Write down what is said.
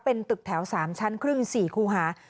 เป็นตึกแถว๓ชั้นครึ่ง๔คูหา